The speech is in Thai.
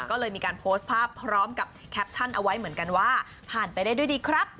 ก็เลยมีการโพสต์ภาพพร้อมกับแคปชั่นเอาไว้เหมือนกันว่าผ่านไปได้ด้วยดีครับ